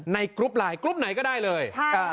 กรุ๊ปไลน์กรุ๊ปไหนก็ได้เลย